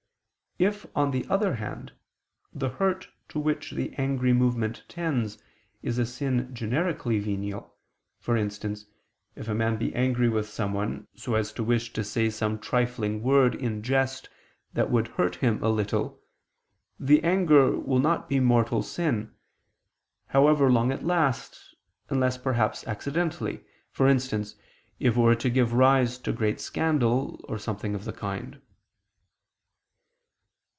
If, on the other hand, the hurt to which the angry movement tends, is a sin generically venial, for instance, if a man be angry with someone, so as to wish to say some trifling word in jest that would hurt him a little, the anger will not be mortal sin, however long it last, unless perhaps accidentally; for instance, if it were to give rise to great scandal or something of the kind.